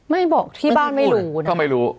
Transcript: ไม่บอกที่บ้านไม่รู้